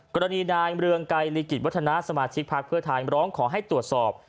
กรณีนายเมืองไกรลีกิจวัฒนาสมาชิกพักเพื่อไทยร้องขอให้ตรวจสอบ